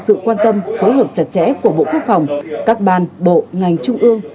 sự quan tâm phối hợp chặt chẽ của bộ quốc phòng các ban bộ ngành trung ương